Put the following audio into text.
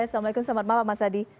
assalamualaikum selamat malam mas adi